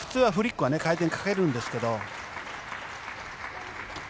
普通はフリックは回転をかけるんですけど。